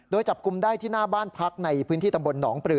โดยจับกลุ่มได้ที่หน้าบ้านพักในพื้นที่ตำบลหนองปลือ